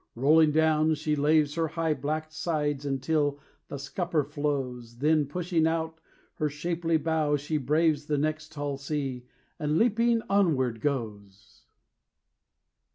Rolling down she laves Her high black sides until the scupper flows, Then pushing out her shapely bow she braves The next tall sea, and, leaping, onward goes.